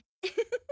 フフフ。